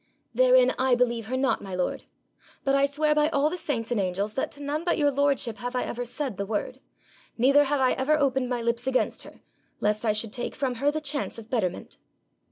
'Therein I believe her not, my lord; but I swear by all the saints and angels, that to none but your lordship have I ever said the word; neither have I ever opened my lips against her, lest I should take from her the chance of betterment.'